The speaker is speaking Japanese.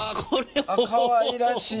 かわいらしい。